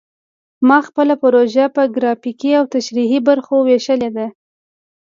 ما خپله پروژه په ګرافیکي او تشریحي برخو ویشلې ده